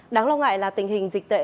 đáng lo ngại là tình hình dịch tễ